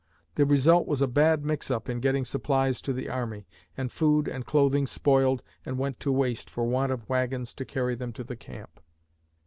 The result was a bad mix up in getting supplies to the army, and food and clothing spoiled and went to waste for want of wagons to carry them to the camp.